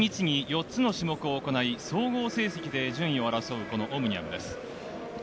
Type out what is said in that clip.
１日に４つの種目を行い、総合成績で順位を争うこのオムニアムです。